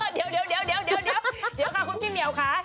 เดี๋ยวค่ะคุณพี่เหมียวค่ะ